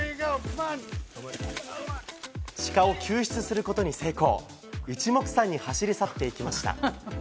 シカを救出することに成功、一目散に走り去っていきました。